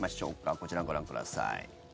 こちらをご覧ください。